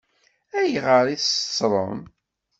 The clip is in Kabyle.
Ayɣer i t-teṣṣṛem?